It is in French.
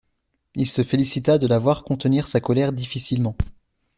Il se félicita de la voir contenir sa colère difficilement.